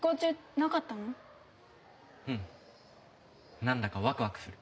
なんだかワクワクする。